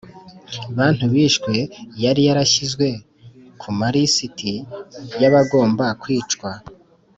bantu bishwe yari barashyizwe ku malisiti y'abagombaga kwicwa.